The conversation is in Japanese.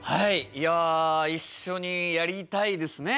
いや一緒にやりたいですね。